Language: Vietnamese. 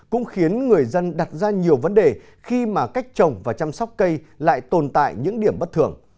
cũng khiến người dân đặt ra nhiều vấn đề khi mà cách trồng và chăm sóc cây lại tồn tại những điểm bất thường